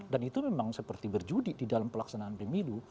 dan itu memang seperti berjudi di dalam pelaksanaan pemilu